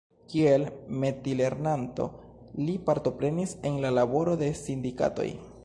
Kiel metilernanto li partoprenis en la laboro de sindikatoj.